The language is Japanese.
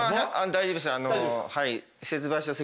大丈夫です。